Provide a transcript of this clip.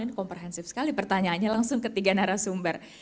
ini komprehensif sekali pertanyaannya langsung ketiga narasumber